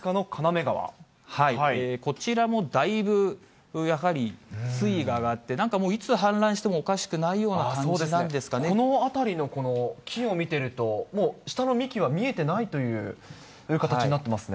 こちらもだいぶやはり水位が上がって、なんかもう、いつ氾濫してもおかしくないような感じなこの辺りの木を見てると、もう下の幹は見えてないという形になってますね。